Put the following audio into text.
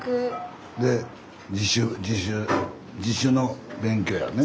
で自主自主自主の勉強やね。